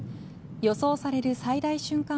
予想される最大瞬間